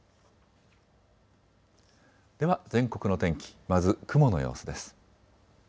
では全国の天気、まず雲の様子です。